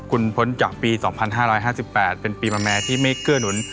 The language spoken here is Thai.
คุณพ้นจากปี๒๕๕๘เป็นปีมะแม่ที่ไม่เกื้อหนุน